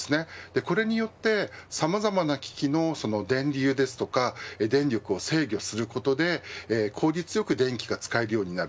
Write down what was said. これによってさまざまな機器の電流ですとか力を制御することで効率よく電気が使えるようになる。